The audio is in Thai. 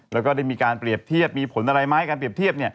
แล้วก็ได้มีการเปรียบเทียบมีผลอะไรไหมการเปรียบเทียบ